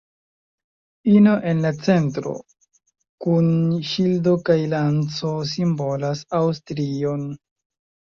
Ino en la centro, kun ŝildo kaj lanco simbolas Aŭstrion.